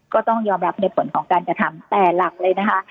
ก็ต้องยอมรับในผลของการกระทำแต่หลักเลยนะคะ